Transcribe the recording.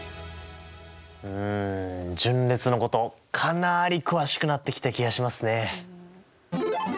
うん順列のことかなり詳しくなってきた気がしますね。